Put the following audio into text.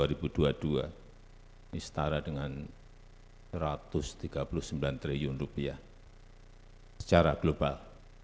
ini setara dengan rp satu ratus tiga puluh sembilan triliun secara global